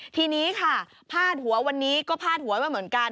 ทีนี้ค่ะพาดหัววันนี้ก็พาดหัวมาเหมือนกัน